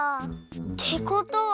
ってことは。